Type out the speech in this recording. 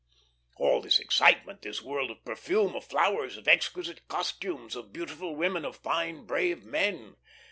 All this excitement, this world of perfume, of flowers, of exquisite costumes, of beautiful women, of fine, brave men.